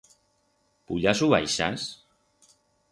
Puyas u baixas?